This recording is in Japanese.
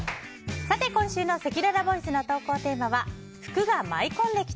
さて今週のせきららボイスの投稿テーマは福が舞い込んできた！